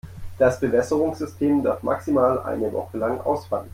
Das Bewässerungssystem darf maximal eine Woche lang ausfallen.